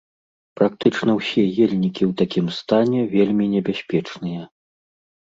Практычна ўсе ельнікі ў такім стане вельмі небяспечныя.